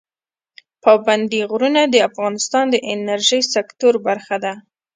پابندی غرونه د افغانستان د انرژۍ سکتور برخه ده.